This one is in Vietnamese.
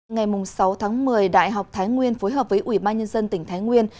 ngày sáu tháng một mươi đại học thái nguyên phối hợp với ủy ban nhân dân tỉnh thái nguyên